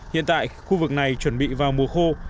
hiện tại khu vực này chuẩn bị vào mùa khô